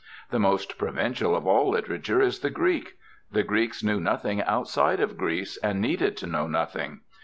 The most provincial of all literature is the Greek. The Greeks knew nothing outside of Greece and needed to know nothing.